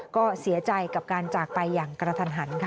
ก็เสียใจกับการจากไปอย่างกระทันหันค่ะ